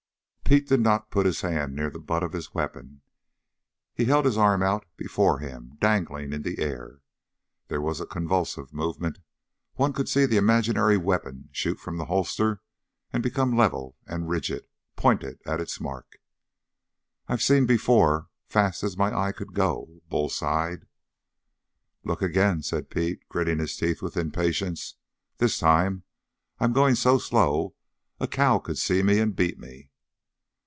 Pete did not put his hand near the butt of his weapon. He held his arm out before him, dangling in the air. There was a convulsive moment. One could see the imaginary weapon shoot from the holster and become level and rigid, pointed at its mark. "I've seen before fast as my eye could go," Bull sighed. "Look again," said Pete, gritting his teeth with impatience. "This time I'm going so slow a cow could see and beat me."